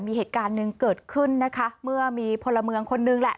มีเหตุการณ์หนึ่งเกิดขึ้นนะคะเมื่อมีพลเมืองคนนึงแหละ